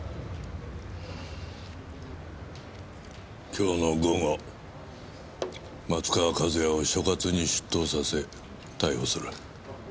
今日の午後松川一弥を所轄に出頭させ逮捕する。